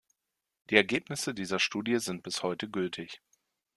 Die Ergebnisse dieser Studie sind bis heute gültig.